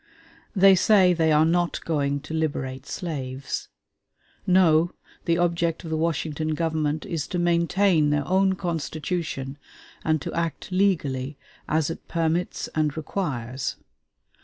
They say they are not going to liberate slaves. No; the object of the Washington government is to maintain their own Constitution and to act legally, as it permits and requires.